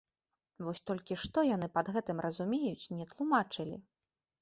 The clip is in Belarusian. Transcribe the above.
Вось толькі што яны пад гэтым разумеюць, не тлумачылі.